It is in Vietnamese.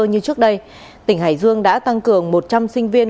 như trước đây tỉnh hải dương đã tăng cường một trăm linh sinh viên